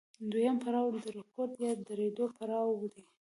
دویم پړاو د رکود یا درېدو پړاو دی